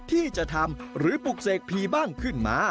ที่จะทำหรือปลุกเสกผีบ้างขึ้นมา